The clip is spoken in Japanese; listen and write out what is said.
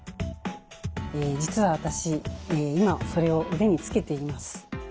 実は私今それを腕につけています。